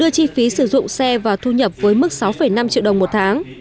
đưa chi phí sử dụng xe và thu nhập với mức sáu năm triệu đồng một tháng